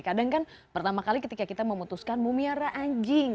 kadang kan pertama kali ketika kita memutuskan mumiara anjing